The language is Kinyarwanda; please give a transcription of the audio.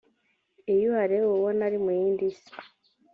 Iyo uhareba uba ubona ari mu yindi si